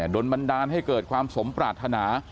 โดนบันดาลให้เกิดความสมปรารถนา